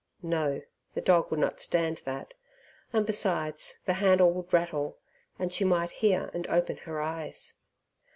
No, the dog would not stand that, and besides the handle would rattle, and she might hear and open her eyes.